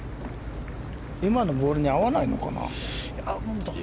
今のボールに合わないのかな？